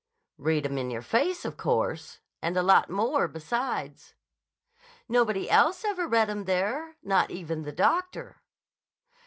"Read 'em in your face, of course. And a lot more, besides." "Nobody else ever read 'em there. Not even the doctor."